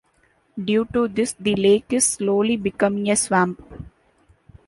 Due to this, the lake is slowly becoming a swamp.